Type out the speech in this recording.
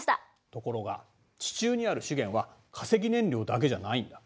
ところが地中にある資源は化石燃料だけじゃないんだ。